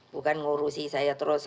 bukan ngurusi saya terus